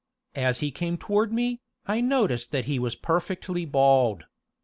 As he came toward me, I noticed that he was perfectly bald.